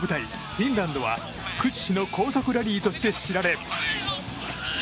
フィンランドは屈指の高速ラリーとして知られ。